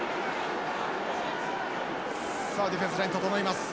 さあディフェンスライン整います。